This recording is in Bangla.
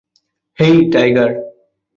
হেই, টাইগার।